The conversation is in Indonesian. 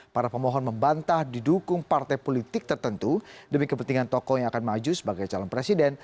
para pemohon membantah didukung partai politik tertentu demi kepentingan tokoh yang akan maju sebagai calon presiden